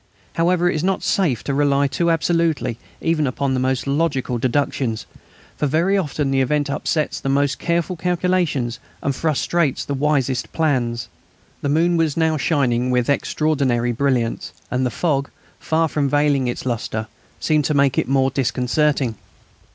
However, it is not safe to rely too absolutely even upon the most logical deductions, for very often the event upsets the most careful calculations and frustrates the wisest plans. The moon was now shining with extraordinary brilliance, and the fog, far from veiling its lustre, seemed to make it more disconcerting.